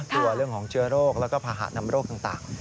กลัวเรื่องของเชื้อโรคแล้วก็ภาหะนำโรคต่าง